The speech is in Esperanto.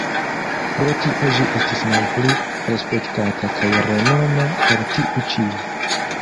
Pro tio ĝi estis malpli respektata kaj renoma ol tiu ĉi.